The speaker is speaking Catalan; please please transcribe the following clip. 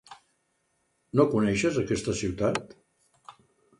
No coneixes aquesta ciutat?